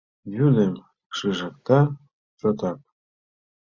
Вӱдым шыжыкта чотак.